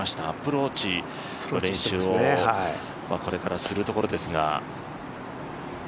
アプローチの練習をこれからするところですが。